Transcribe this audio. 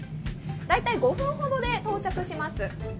大体５分ほどで到着します。